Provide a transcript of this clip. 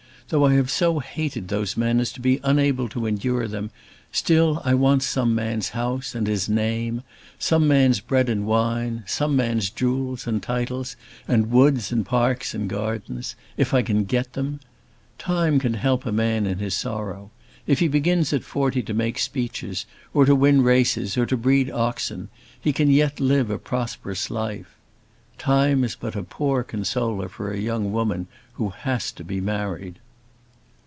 Though I have so hated those men as to be unable to endure them, still I want some man's house, and his name, some man's bread and wine, some man's jewels and titles and woods and parks and gardens, if I can get them. Time can help a man in his sorrow. If he begins at forty to make speeches, or to win races, or to breed oxen, he can yet live a prosperous life. Time is but a poor consoler for a young woman who has to be married."